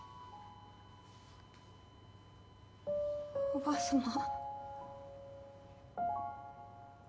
おばあさま。